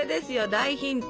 大ヒント。